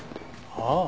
ああ。